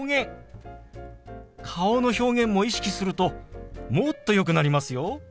顔の表現も意識するともっとよくなりますよ。